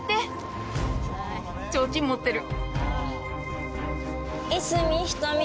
ちょうちん持ってる。